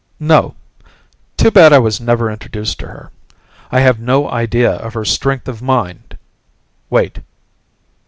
"No. Too bad I was never introduced to her. I have no idea of her strength of mind wait!"